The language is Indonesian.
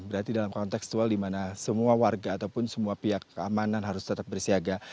berarti dalam konteks itu dimana semua warga ataupun semua pihak keamanan harus tetap bersiaga